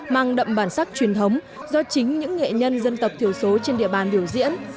mang đậm bản sắc truyền thống do chính những nghệ nhân dân tộc thiểu số trên địa bàn biểu diễn